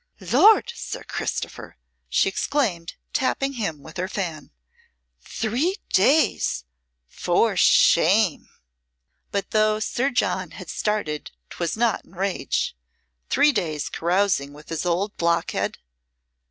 "Lord, Sir Christopher," she exclaimed, tapping him with her fan. "Three days! For shame!" But though Sir John had started 'twas not in rage. Three days carousing with this old blockhead!